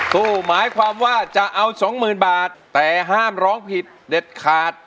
ตู้หมายความว่าจะเอาสองหมื่นบาทแต่ห้ามร้องผิดเด็ดขาด